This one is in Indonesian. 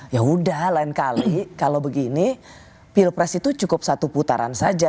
ya udah lain kali kalau begini pilpres itu cukup satu putaran saja